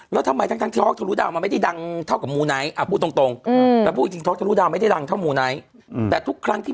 เอาท้องจนรู้ดาวมาว่าจะเป็นแพ็ดน้ำปลาภาษณ์